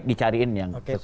dicariin yang sesuai